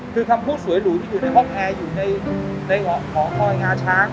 คือคำพูดสวยหรูที่อยู่ในห้องแอร์อยู่ในหอคอยงาช้าง